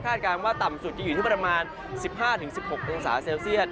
การว่าต่ำสุดจะอยู่ที่ประมาณ๑๕๑๖องศาเซลเซียต